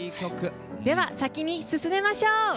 では先に進めましょう！